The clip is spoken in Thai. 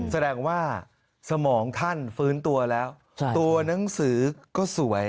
แสดงว่าสมองท่านฟื้นตัวแล้วตัวหนังสือก็สวย